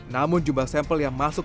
namun jumlah sampel yang masuk